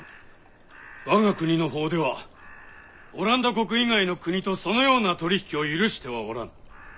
我が国の法ではオランダ国以外の国とそのような取り引きを許してはおらぬ。